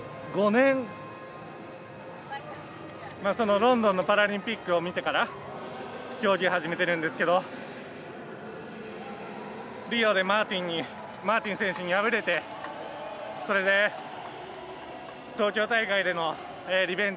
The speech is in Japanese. ロンドンのパラリンピックを見てから競技始めてるんですけどリオでマーティン選手に敗れて東京大会でのリベンジ